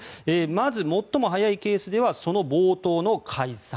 まず最も早いケースではその冒頭の解散。